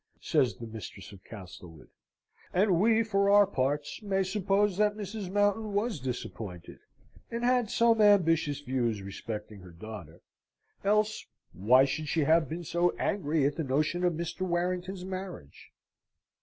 says the mistress of Castlewood. And we, for our parts, may suppose that Mrs. Mountain was disappointed, and had some ambitious views respecting her daughter else, why should she have been so angry at the notion of Mr. Warrington's marriage?